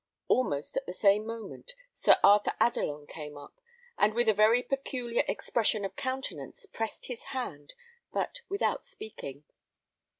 Almost at the same moment Sir Arthur Adelon came up, and with a very peculiar expression of countenance pressed his hand, but without speaking.